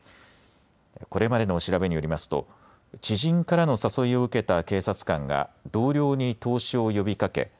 これまでの調べによりますと知人からの誘いを受けた警察官が同僚に投資を呼びかけ